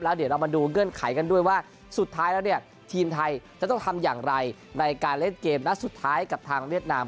เดี๋ยวเรามาดูเงื่อนไขกันด้วยว่าสุดท้ายแล้วเนี่ยทีมไทยจะต้องทำอย่างไรในการเล่นเกมนัดสุดท้ายกับทางเวียดนาม